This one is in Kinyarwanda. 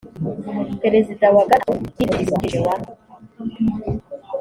perezida wa gatatu ni umuvugizi wungirije wa